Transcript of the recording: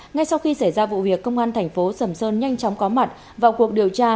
ngay sau khi xảy ra vụ việc công an thành phố sầm sơn nhanh chóng có mặt vào cuộc điều tra